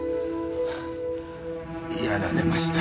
やられました。